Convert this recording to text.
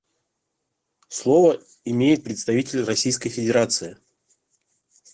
Слово имеет представитель Российской Федерации.